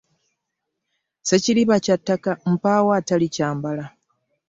Ssekiriba kya ttaka mpaawo atalikyambala.